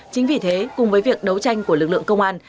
chính vì thế cùng với việc đấu tranh của lực lượng công an